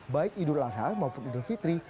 baik idul adha maupun idul fitri